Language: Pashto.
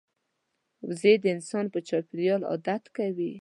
وزې د انسان په چاپېریال عادت کوي